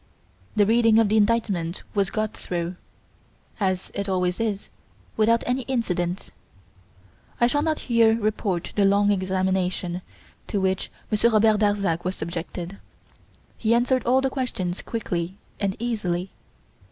The reading of the indictment was got through, as it always is, without any incident. I shall not here report the long examination to which Monsieur Darzac was subjected. He answered all the questions quickly and easily.